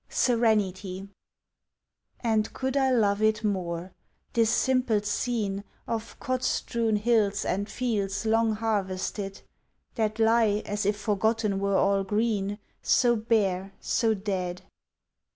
SERENITY And could I love it more this simple scene Of cot strewn hills and fields long harvested, That lie as if forgotten were all green, So bare, so dead!